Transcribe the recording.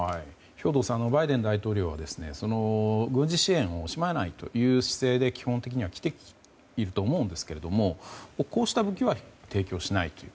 兵頭さんバイデン大統領は軍事支援を惜しまないという姿勢で基本的にはきていると思うんですが、こうした武器は提供しないという。